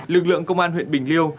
lực lượng công an huyện bình liêu